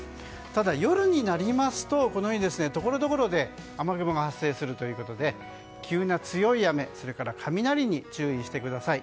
ただ、夜になりますとこのようにところどころで雨雲が発生するということで急な強い雨、雷に注意してください。